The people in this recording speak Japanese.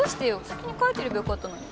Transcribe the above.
先に帰ってればよかったのに。